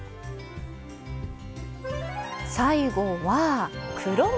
最後は黒豆。